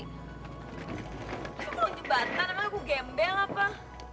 kalau ngejembatan emang aku gembel apa